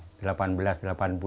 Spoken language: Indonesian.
masa zaman penjajahan dulu